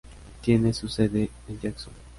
Tiene su sede en Jackson.